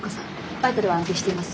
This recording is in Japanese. バイタルは安定しています。